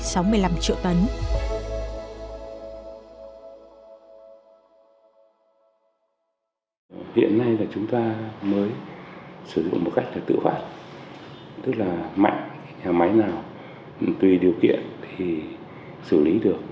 tổng lượng cho xỉ được xử lý và sử dụng một cách tự phát tức là mạng nhà máy nào tùy điều kiện thì xử lý được